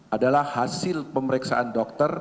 adalah hasil pemeriksaan dokter